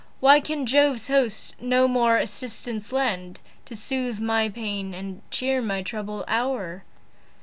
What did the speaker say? Why can Jove's host no more assistance lend, To soothe my pains, and cheer my troubled hour?